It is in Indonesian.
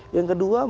yang kedua mungkin